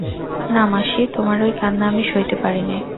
না, মাসি, তোমার ঐ কান্না আমি সইতে পারি নে।